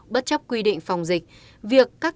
bất chấp quy định phòng dịch